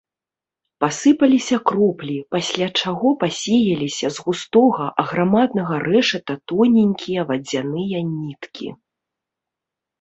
Пасыпаліся кроплі, пасля чаго пасеяліся з густога аграмаднага рэшата тоненькія вадзяныя ніткі.